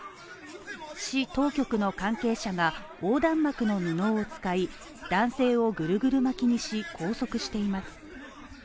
市当局の関係者が横断幕の布を使い、男性をぐるぐる巻きにし、拘束しています